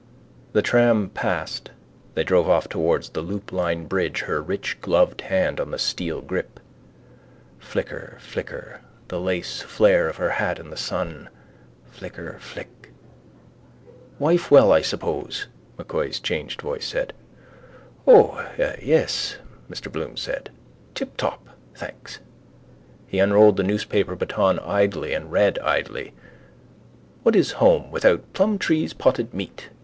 The tram passed. They drove off towards the Loop Line bridge, her rich gloved hand on the steel grip. Flicker, flicker: the laceflare of her hat in the sun: flicker, flick. —Wife well, I suppose? M'Coy's changed voice said. —O, yes, Mr Bloom said. Tiptop, thanks. He unrolled the newspaper baton idly and read idly: What is home without Plumtree's Potted Meat?